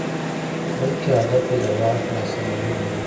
بلکې هدف یې د واک لاسته راوړل وو.